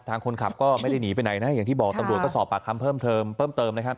คนขับก็ไม่ได้หนีไปไหนนะอย่างที่บอกตำรวจก็สอบปากคำเพิ่มเติมเพิ่มเติมนะครับ